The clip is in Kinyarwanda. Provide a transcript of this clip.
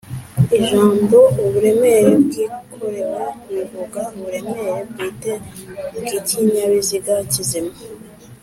ijambo’’uburemere bwikorewe’’bivuga uburemere bwite bw’ikinyabiziga kizima